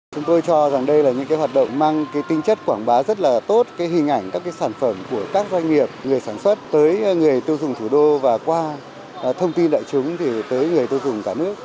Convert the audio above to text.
chúng tôi cho rằng đây là những hoạt động mang tinh chất quảng bá rất là tốt hình ảnh các sản phẩm của các doanh nghiệp người sản xuất tới người tiêu dùng thủ đô và qua thông tin đại chúng tới người tiêu dùng cả nước